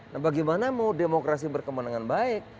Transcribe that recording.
nah bagaimana mau demokrasi berkemenangan baik